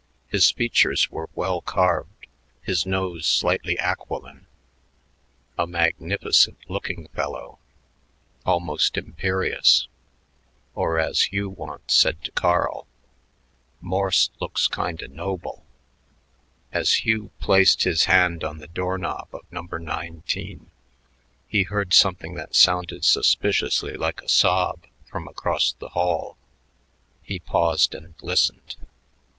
His features were well carved, his nose slightly aquiline a magnificent looking fellow, almost imperious; or as Hugh once said to Carl, "Morse looks kinda noble." As Hugh placed his hand on the door knob of No 19, he heard something that sounded suspiciously like a sob from across the hall. He paused and listened.